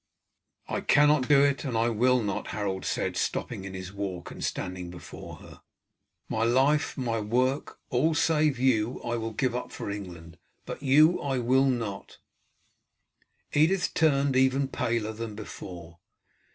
"I cannot do it, and I will not," Harold said, stopping in his walk and standing before her. "My life, my work, all save you I will give up for England but you I will not." Edith turned even paler than before.